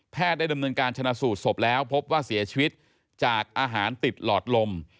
ได้ดำเนินการชนะสูตรศพแล้วพบว่าเสียชีวิตจากอาหารติดหลอดลม